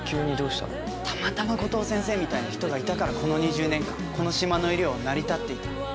たまたまコトー先生みたいな人がいたからこの２０年間この島の医療は成り立っていた。